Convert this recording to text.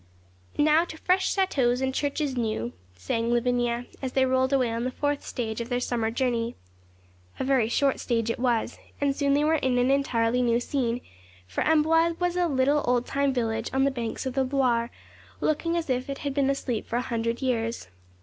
'Now to fresh châteaux and churches new,' sang Lavinia, as they rolled away on the fourth stage of their summer journey. A very short stage it was, and soon they were in an entirely new scene, for Amboise was a little, old time village on the banks of the Loire, looking as if it had been asleep for a hundred years.